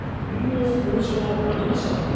僕も後遺症ありましたからね。